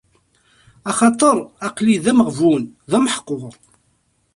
Axaṭer aql-i d ameɣbun, d ameḥqur!